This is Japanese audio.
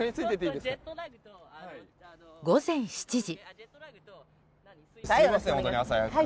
午前７時。